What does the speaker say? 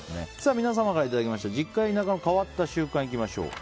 皆様からいただきました実家や田舎の変わった習慣いきましょう。